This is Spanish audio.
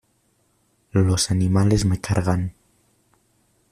Los animales me cargan.